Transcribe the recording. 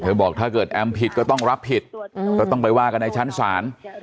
บอกถ้าเกิดแอมผิดก็ต้องรับผิดก็ต้องไปว่ากันในชั้นศาล